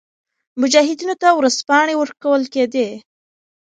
مجاهدینو ته ورځپاڼې ورکول کېدې.